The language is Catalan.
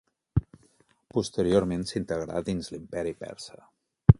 Posteriorment s'integrà dins l'Imperi Persa.